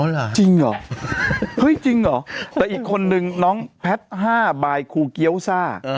อ๋อล่ะจริงหรอจริงหรอแต่อีกคนหนึ่งน้องแพท๕บายครูเกี้ยวซ่า